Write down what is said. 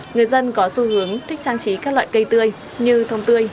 người dân có xu hướng thích trang trí các loại cây tươi như thông tươi